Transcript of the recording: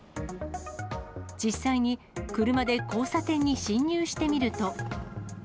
実際に、車で交差点に進入してみると。